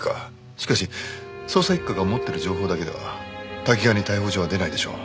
しかし捜査一課が持ってる情報だけでは瀧川に逮捕状は出ないでしょう。